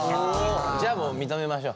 じゃあもう認めましょう。